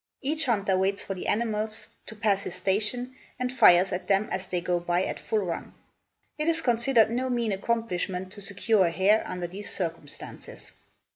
Each hunter waits for the animals to pass his station and fires at them as they go by at full run. It is considered no mean accomplishment to secure a hare under these circumstances.